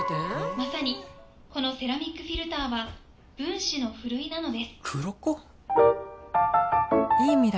まさにこのセラミックフィルターは『分子のふるい』なのですクロコ？？いい未来が見えてきた